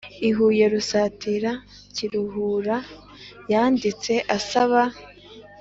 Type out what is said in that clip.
I huye rusatira kiruhura yanditse asaba